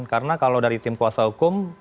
karena kalau dari tim kuasa hukum